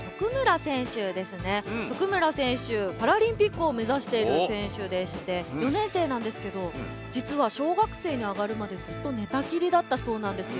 徳村選手パラリンピックを目ざしている選手でして４年生なんですけど実は小学生に上がるまでずっとねたきりだったそうなんですよ。